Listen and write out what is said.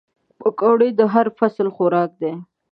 پکورې د هر فصل خوراک دي